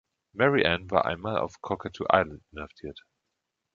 Mary Ann war einmal auf Cockatoo Island inhaftiert.